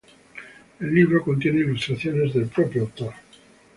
El libro contiene ilustraciones del propio autor.